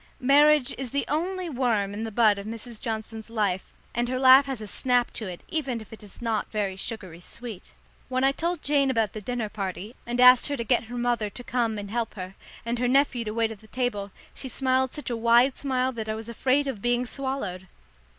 Marriage is the only worm in the bud of Mrs. Johnson's life, and her laugh has a snap to it even if it is not very sugary sweet. When I told Jane about the dinner party and asked her to get her mother to come and help her, and her nephew to wait at table, she smiled such a wide smile that I was afraid of being swallowed.